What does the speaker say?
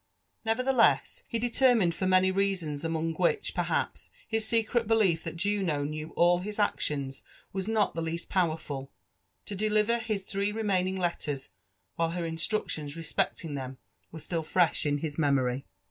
Nevertheless, he determined for many reasons— among which, perhaps, his seeret belief that Juno knew all his actions was not the least powerful*^(o deliver his three remaining letters while her inslructioDS respecting them were still fresh in his memory.